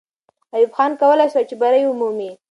ایوب خان کولای سوای چې بری ومومي.